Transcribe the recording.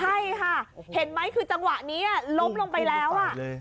ใช่ค่ะเห็นไหมคือจังหวะนี้ล้มลงไปแล้วอ่ะ